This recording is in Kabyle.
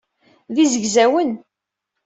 D izegzawen.